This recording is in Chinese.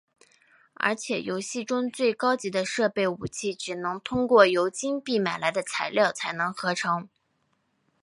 而且游戏中最高级的装备武器只能通过由金币买来的材料才能合成。